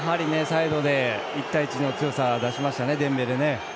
サイドで１対１の強さ出しましたね。